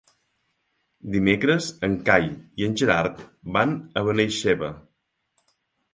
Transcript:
Dimecres en Cai i en Gerard van a Benaixeve.